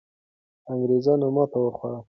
انګریزانو ماتې وخوړه.